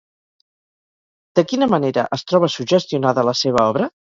De quina manera es troba suggestionada la seva obra?